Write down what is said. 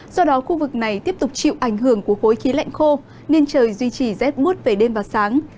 do đó khu vực này tiếp tục chịu ảnh hưởng của khối khí lạnh khô nên trời duy trì rét bút về đêm và sáng